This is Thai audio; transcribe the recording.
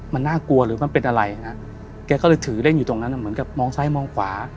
มันน่ากลัวหรือมันเป็นอะไรฮะแกก็เลยถือเล่นอยู่ตรงนั้นเหมือนกับมองซ้ายมองขวา